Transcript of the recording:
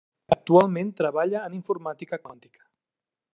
Actualment treballa en informàtica quàntica.